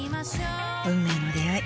運命の出会い。